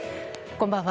こんばんは。